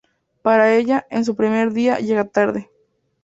Pero ella, en su primer día, llega tarde.